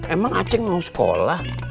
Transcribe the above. emang aceng mau sekolah